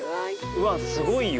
うわっすごいよ。